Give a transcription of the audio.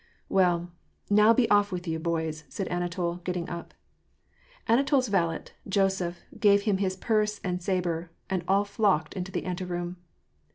" Well, now be off with you, boys," said Anatol, getting up. AnatoPs valet, Joseph, gave him his purse and sabre, and all flocked into the anteroom.